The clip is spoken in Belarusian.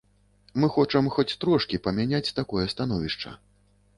Мы хочам хоць трошкі памяняць такое становішча.